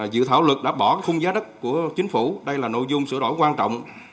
dự thảo luật đã bỏ khung giá đất của chính phủ đây là nội dung sửa đổi quan trọng